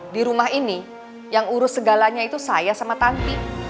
di rumah ini yang urus segalanya itu saya sama tante